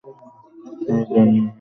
হেই, জানেমান, হাই!